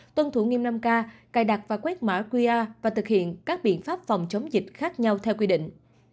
tuân thủ nghiêm năm k cài đặt và quét mã qr và thực hiện các biện pháp phòng chống dịch khác nhau theo quy định